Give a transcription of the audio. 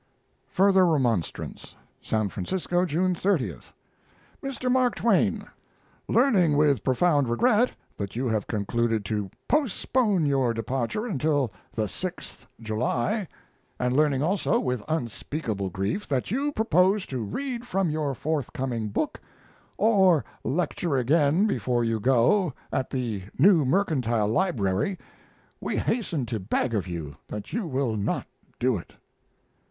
(FURTHER REMONSTRANCE) SAN FRANCISCO, June 30th. MR. MARK TWAIN, Learning with profound regret that you have concluded to postpone your departure until the 6th July, and learning also, with unspeakable grief, that you propose to read from your forthcoming book, or lecture again before you go, at the New Mercantile Library, we hasten to beg of you that you will not do it.